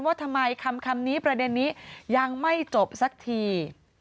ว่าทำไมคำนี้ประเด็นนี้ยังไม่จบสักที